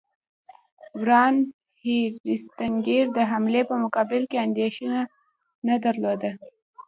وارن هیسټینګز د حملې په مقابل کې اندېښنه نه درلوده.